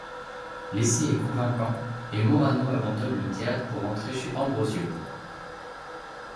L’essai est convaincant, et Morano abandonne le théâtre pour entrer chez Ambrosio.